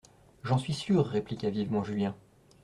J'en suis sûr, répliqua vivement Julien.